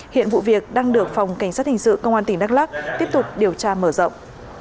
hiện vụ việc đang được phòng cảnh sát hình sự công an tỉnh đắk lắc tiếp tục điều tra mở rộng